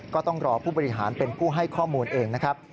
ก็ต้องรอผู้บริหารเป็นผู้ให้ข้อมูลเองนะครับ